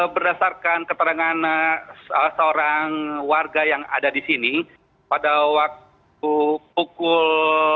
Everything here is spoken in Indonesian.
berdasarkan keterangan seorang warga yang ada di sini pada waktu pukul